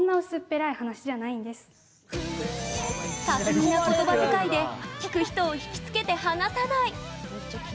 巧みな言葉づかいで聞く人を引きつけて離さない。